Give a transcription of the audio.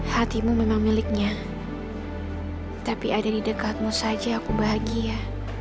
hatimu memang miliknya tapi ada di dekatmu saja aku bahagia